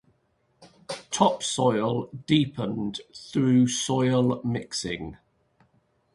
Topsoil deepen through soil mixing.